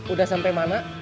udah sampai mana